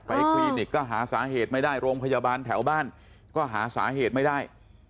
คลินิกก็หาสาเหตุไม่ได้โรงพยาบาลแถวบ้านก็หาสาเหตุไม่ได้